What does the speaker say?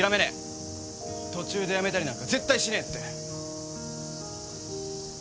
途中でやめたりなんか絶対しねえって。